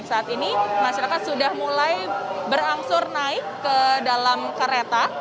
saat ini masyarakat sudah mulai berangsur naik ke dalam kereta